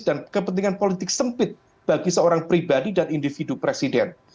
dan kepentingan politik sempit bagi seorang pribadi dan individu presiden